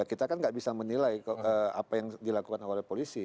kita kan nggak bisa menilai apa yang dilakukan oleh polisi